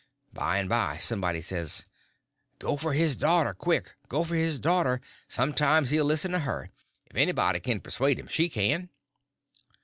By and by somebody says: "Go for his daughter!—quick, go for his daughter; sometimes he'll listen to her. If anybody can persuade him, she can."